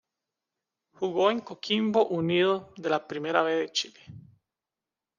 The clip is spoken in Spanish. Jugó en Coquimbo Unido de la Primera B de Chile.